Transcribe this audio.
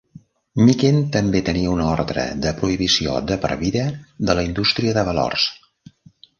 Miken també tenia una ordre de prohibició de per vida de la indústria de valors.